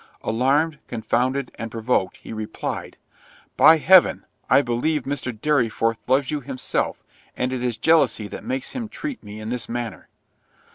—Alarmed, confounded, and provoked, he replied, "By heaven, I believe Mr. Dorriforth loves you himself, and it is jealousy that makes him treat me in this manner."